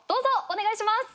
お願いします。